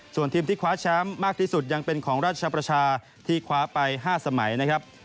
ส่วนทีมที่คว้าแชมป์มากที่สุดยังเป็นของราชประชาที่คว้าไป๕สมัยนะครับ